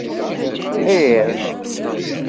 Ḥir.